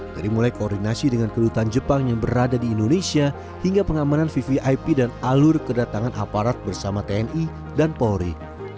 dari mulai koordinasi dengan kedutaan jepang yang berada di indonesia hingga pengamanan vvip dan alur kedatangan aparat bersama tni dan polri